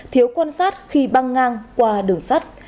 thiếu quan sát khi băng ngang qua đường sắt